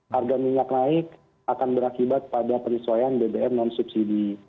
harga minyak naik akan berakibat pada penyesuaian bbm non subsidi